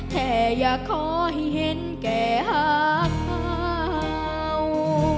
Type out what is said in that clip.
แท้อยากขอให้เห็นแกหาก่าว